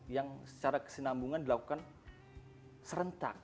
yang secara kesenambungan dilakukan serentak